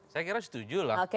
saya kira setuju lah